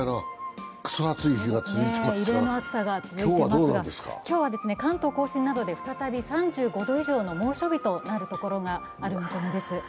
異例の暑さが続いていますが、今日は関東甲信などで再び３５度以上の猛暑日となるところがある見込みです。